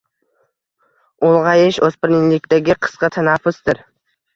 Ulg’ayish o’spirinlikdagi qisqa tanaffusdir.